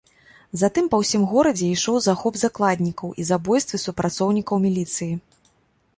Затым па ўсім горадзе ішоў захоп закладнікаў і забойствы супрацоўнікаў міліцыі.